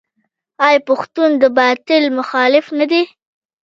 آیا پښتون د باطل مخالف نه دی؟